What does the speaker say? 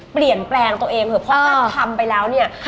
เปลี่ยนแปลงตัวเองเถอะเพราะท่านทำไปแล้วเนี่ย